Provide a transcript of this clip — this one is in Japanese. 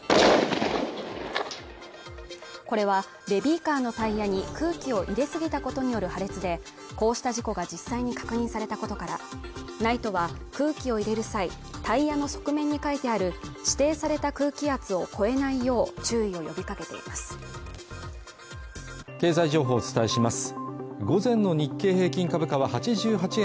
これはベビーカーのタイヤに空気を入れすぎたことによる破裂でこうした事故が実際に確認されたことからＮＩＴＥは空気を入れる際タイヤの側面に書いてある指定された空気圧を超えないよう注意を呼びかけています